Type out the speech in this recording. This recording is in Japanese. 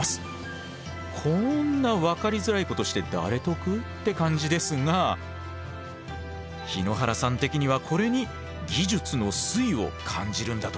こんな分かりづらいことして誰得？って感じですが日野原さん的にはこれに技術の粋を感じるんだとか。